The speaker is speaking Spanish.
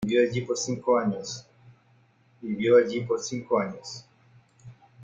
Vivió allí por cinco años.